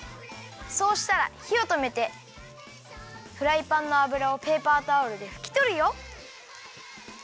そうしたらひをとめてフライパンのあぶらをペーパータオルでふきとるよ。